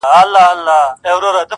هم ښکاري وو هم ښه پوخ تجریبه کار وو-